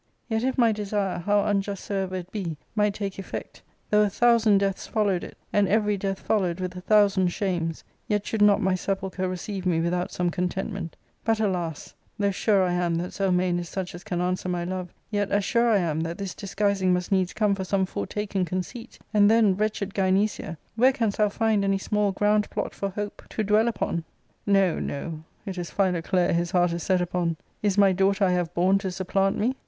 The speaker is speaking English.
Yet if my desire, how unjust soever it be, might take effect, though a thousand deaths followed it, and every death followed with a thousand shames, yet should not my sepulchre receive me without some contentment But, alas ! though sure I am that Zelmane is such as can answer my love, yet as sure I am that this disguising must needs come for some foretaken conceit ; and then, wretched Gynecia, where canst thou find any small ground plot for hope to ARCADIA,— Book If. 123 dwell upon ? No, no, it is Philoclea his heart is set upon. Is iny daughter I have borne to supplant me